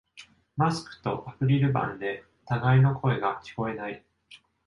マスクとアクリル板で互いの声が聞こえない